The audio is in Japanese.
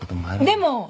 でも！